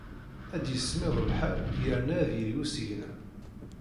Ad yismiḍ lḥal yerna ad yili usigna.